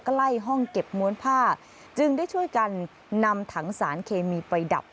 ใกล้ห้องเก็บม้วนผ้าจึงได้ช่วยกันนำถังสารเคมีไปดับ